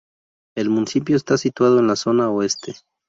El municipio está situado en la zona Oeste.